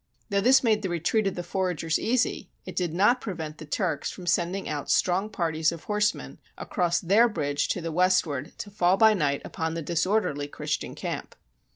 Though this made the retreat of the foragers easy, it did not prevent the Turks from sending out strong parties of horsemen across their bridge to the westward to fall by night upon the disorderly Christian camp.